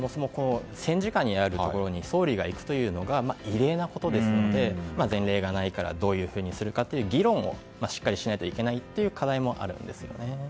戦時下にあるところに総理が行くことが異例なことですので前例がないからどういうふうにするかっていう議論をしっかりしなければいけないという課題もあるんですよね。